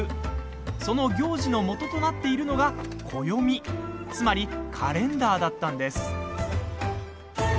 その行事のもととなっているのが暦つまりカレンダーだったんです。